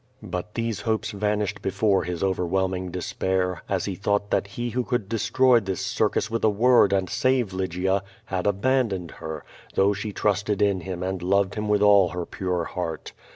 But these hopes vanished before his overwhelming despair, as he thought that He who could destroy that circus with a word and save Lygia, had abandoned her, though she trusted in Him and loved Him with all her pure heart.